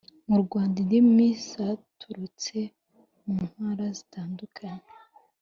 Mu Rwanda indimi zaturutse mu ntara zitandukanye.